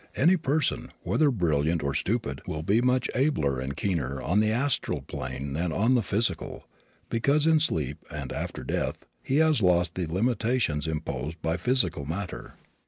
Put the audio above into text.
Any person, whether brilliant or stupid, will be much abler and keener on the astral plane than on the physical, because in sleep, and after death, he has lost the limitations imposed by physical matter.